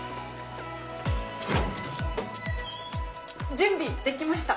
準備できました。